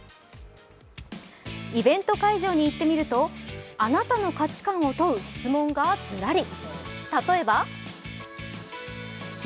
イベント会場に行ってみるとあなたの価値観を問う質問がズラリ。